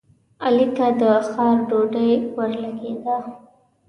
علي ته د ښار ډوډۍ ورلګېده.